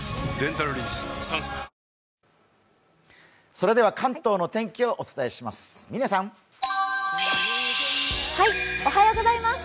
それでは関東の天気をお伝えします。